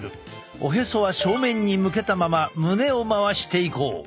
おへそは正面に向けたまま胸を回していこう。